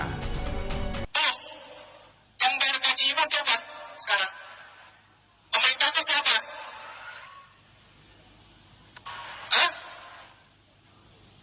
oh yang gaji saya siapa sekarang